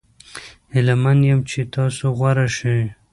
هیله من یم چې تاسو غوره شي.